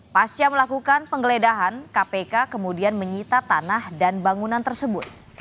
pasca melakukan penggeledahan kpk kemudian menyita tanah dan bangunan tersebut